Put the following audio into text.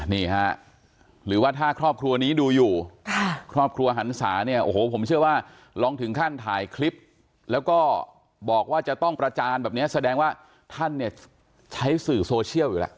นี่ฮะหรือว่าถ้าครอบครัวนี้ดูอยู่ครอบครัวหันศาเนี่ยโอ้โหผมเชื่อว่าลองถึงขั้นถ่ายคลิปแล้วก็บอกว่าจะต้องประจานแบบนี้แสดงว่าท่านเนี่ยใช้สื่อโซเชียลอยู่แล้ว